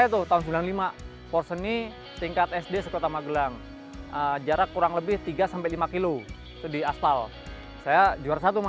dan juga perang yang terjadi di sejarah